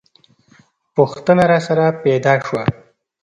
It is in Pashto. پوښتنه راسره پیدا شوه.